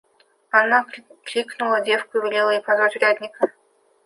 Она кликнула девку и велела ей позвать урядника.